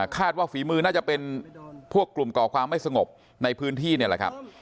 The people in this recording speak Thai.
ว่าฝีมือน่าจะเป็นพวกกลุ่มก่อความไม่สงบในพื้นที่นี่แหละครับ